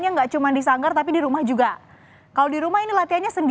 kalau langsung kalau udah katanya kan